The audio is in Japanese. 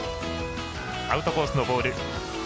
アウトコースのボール。